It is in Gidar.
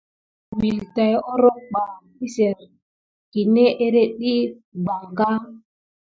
Wine tät óroko ɓa éyérne ɗi pay ama kedanga.